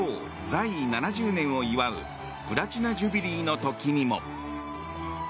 在位７０年を祝うプラチナ・ジュビリーの時にも。